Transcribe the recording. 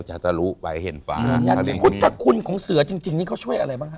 จะตาลูกไปเห็นฟ้าคุณของเสือจริงนี้เขาช่วยอะไรบ้างครับ